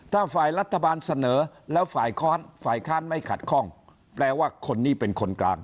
ถ้าฝ่ายรัฐบาลเสนอแล้วฝ่ายค้อนฝ่ายค้านไม่ขัดข้องแปลว่าคนนี้เป็นคนกลาง